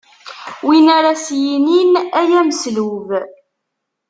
Win ara s-yinin: Ay ameslub!